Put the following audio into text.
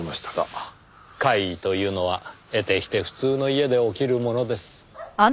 怪異というのは得てして普通の家で起きるものです。